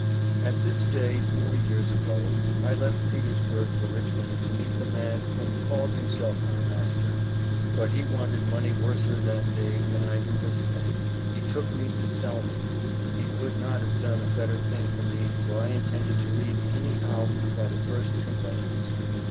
At this day four years ago I left Petersburg for Richmond to meet the man whom called himself my master, but he wanted money worser that day than I do this day, he took me to sell me, he could not have done a better thing for me for I intended to leave any how by the first convaiance.